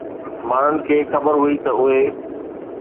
ماڻهن کي خبر هئي ته اهي